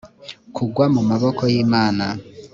kugwa mu maboko y imana